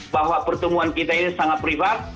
bahwa pertemuan kita ini sangat privat